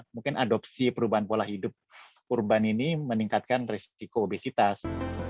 mungkin adopsi perubahan pola hidup urban ini meningkatkan risiko obesitas